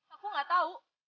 aku gak tau